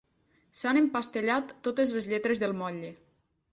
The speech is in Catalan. S'han empastellat totes les lletres del motlle.